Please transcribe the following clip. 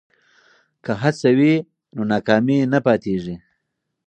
که هڅه وي نو ناکامي نه پاتیږي.